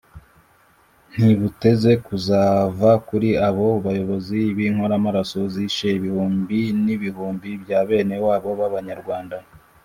ntibuteze kuzava kuri abo bayobozi b'inkoramaraso zishe ibihumbi n'ibihumbi bya bene wabo b'abanyarwanda.